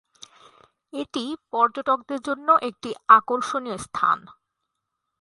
এটি পর্যটকদের জন্য একটি আকর্ষণীয় স্থান।